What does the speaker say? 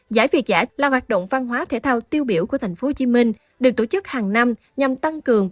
giải việt giả là hoạt động văn hóa thể thao tiêu biểu của tp hcm được tổ chức hàng năm nhằm tăng cường